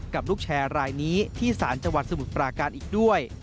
กับลูกแชร์รายนี้ที่ศาลจังหวัดสมุทรปราการอีกด้วย